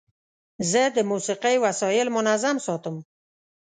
زه د موسیقۍ وسایل منظم ساتم.